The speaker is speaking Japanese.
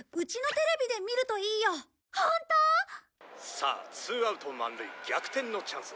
「さあツーアウト満塁逆転のチャンス」